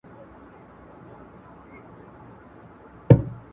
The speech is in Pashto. نه یې زده کړل له تاریخ څخه پندونه !.